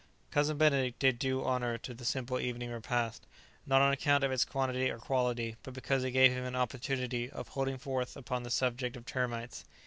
Cousin Benedict did due honour to the simple evening repast; not on account of its quantity or quality, but because it gave him an opportunity of holding forth upon the subject of termites.